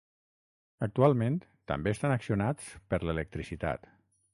Actualment, també estan accionats per l’electricitat.